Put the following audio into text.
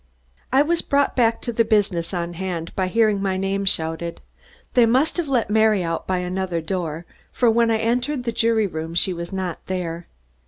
I was brought back to the business on hand by hearing my name shouted. They must have let Mary out by another door for when I entered the jury room she was not there.